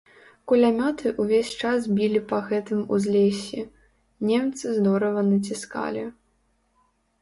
Кулямёты ўвесь час білі па гэтым узлессі, немцы здорава націскалі.